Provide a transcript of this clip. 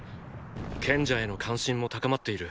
賢者への関心も高まっている。